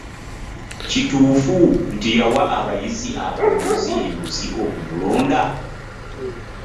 Kituufu nti yawa abayizi abalonzi enguzi okumulonda?